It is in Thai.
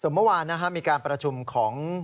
ส่วนเมื่อวานนะค่ะมีการประชุมของ